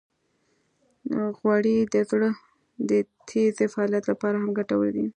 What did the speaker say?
غوړې د زړه د تېزې فعالیت لپاره هم ګټورې دي.